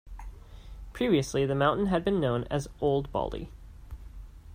Previously the mountain had been known as Old Baldy.